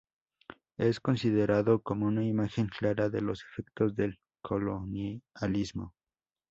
Es considerado como una imagen clara de los efectos del colonialismo.